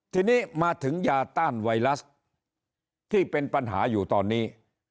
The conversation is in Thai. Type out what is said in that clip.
ทีนี้มาถึงยาต้านไวรัสที่เป็นปัญหาอยู่ตอนนี้